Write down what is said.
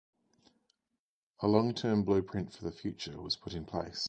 A long-term blueprint for the future was put in place.